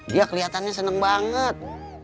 dia kelihatannya seneng banget